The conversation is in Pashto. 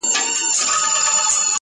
خو خپه كېږې به نه,